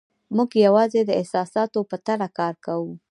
موږ یوازې د احساساتو په تله کار کوو.